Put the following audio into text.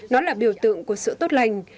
nó là biểu tượng của sự tốt lành